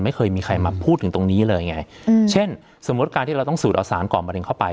ไม่เคยมีใครมาพูดถึงตรงนี้เลยไงเช่นสมมุติการที่เราต้องสูดเอาสารก่อนมะเร็งเข้าไป